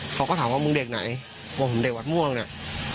เขาก็ถามว่ามึงเด็กไหนว่าผมเด็กวัดม่วงเนี่ย